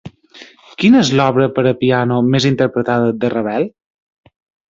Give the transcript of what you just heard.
Quina és l'obra per a piano més interpretada de Ravel?